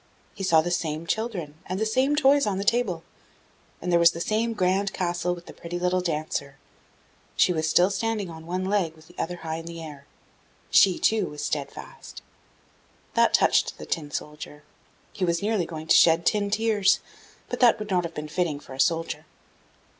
He saw the same children, and the same toys on the table; and there was the same grand castle with the pretty little Dancer. She was still standing on one leg with the other high in the air; she too was steadfast. That touched the Tin soldier, he was nearly going to shed tin tears; but that would not have been fitting for a soldier.